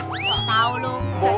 gak tau lo